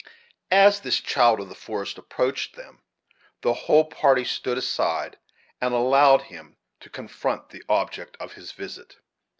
As this child of the forest approached them, the whole party stood aside, and allowed him to confront the object of his visit.